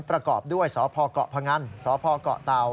ประกอบด้วยสพเกาะพงันสพเกาะเตา